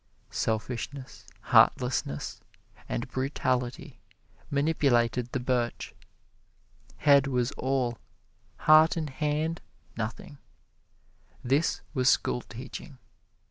Selfishness, heartlessness and brutality manipulated the birch. Head was all; heart and hand nothing. This was schoolteaching.